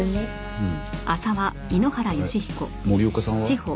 うん。